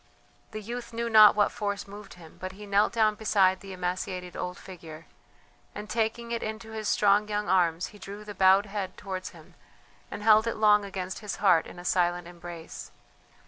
The youth knew not what force moved him, but he knelt down beside the emaciated old figure and, taking it into his strong young arms, he drew the bowed head towards him, and held it long against his heart in a silent embrace.